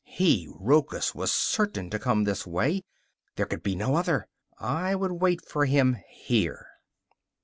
he, Rochus, was certain to come this way; there could be no other. I would wait for him here.